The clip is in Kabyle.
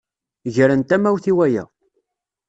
Gren tamawt i waya.